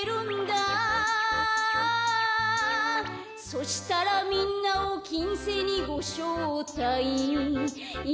「そしたらみんなをきんせいにごしょうたいんいんん」